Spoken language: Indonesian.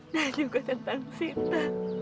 dan juga tentang sita